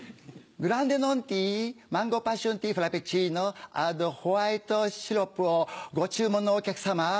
グランデノンティーマンゴーパッションティーフラペチーノアドホワイトシロップをご注文のお客様